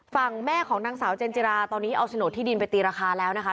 ฝั่งแม่ของนางสาวเจนจิราตอนนี้เอาโฉนดที่ดินไปตีราคาแล้วนะคะ